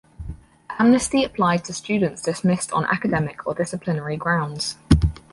The amnesty applied to students dismissed on academic or disciplinary grounds.